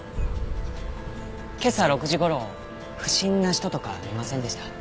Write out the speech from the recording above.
今朝６時頃不審な人とか見ませんでした？